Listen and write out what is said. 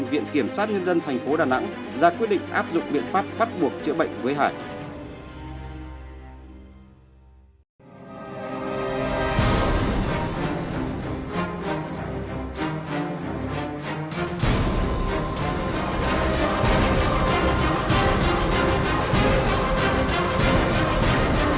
viện kiểm soát nhân dân tp đà nẵng ra quyết định áp dụng biện pháp phát buộc chữa bệnh với hải